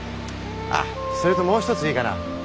それともう一ついいかな。